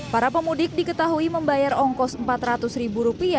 para pemudik diketahui membayar ongkos rp empat ratus